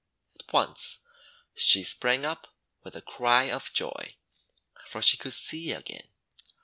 At once she sprang up with a cry of joy, for she could see again.